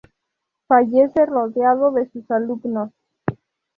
Fallece rodeado de sus alumnos.